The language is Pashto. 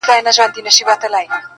ما دي څڼي تاوولای!